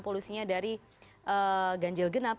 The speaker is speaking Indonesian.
polusinya dari ganjil gendap